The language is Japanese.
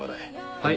はい。